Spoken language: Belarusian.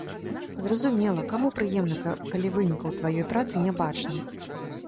Зразумела, каму прыемна, калі вынікаў тваёй працы не бачна.